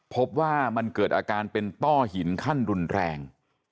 พบว่ามันเกิดอาการเป็นต้อหินขั้นรุนแรง